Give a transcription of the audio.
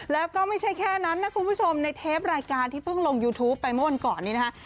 แล้วก็ไม่ใช่แค่นั้นนะคุณผู้ชมในเทปรายการที่เพิ่งลงยูทูปไปเมื่อวันก่อนนี้นะคะ